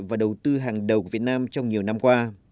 và đầu tư hàng đầu việt nam trong nhiều năm qua